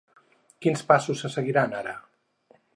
Quins passos se seguiran ara?